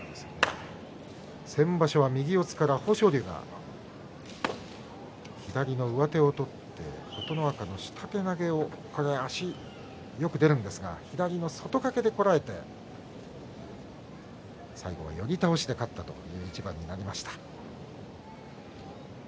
先場所は右四つから豊昇龍が左の上手を取って琴ノ若の下手投げを足がよく出るんですが左の外掛けでこられて最後は寄り倒しで勝ったという一番になりました。